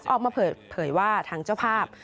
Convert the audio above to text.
ออกมาเผยว่าทางเจ้าภาพ